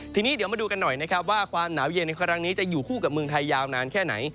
ทีนี้เดี๋ยวมาดูกันหน่อยนะครับว่าความหนาวเย็นในครั้งนี้จะอยู่คู่กับเมืองไทยยาวนานแค่ไหน